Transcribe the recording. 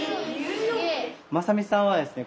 正己さんはですね